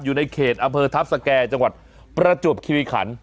อยู่ในเขตอำเภอทัพสแก่จังหวัดประจวบคิริขัน